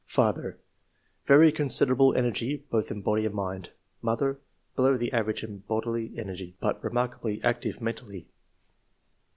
79 " Father — Very considerable energy both in body and mind. Mother — ^Below the average in bodily energy, but remarkably active mentally."